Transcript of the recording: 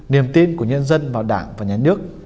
niềm tin của nhân dân vào đảng và nhà nước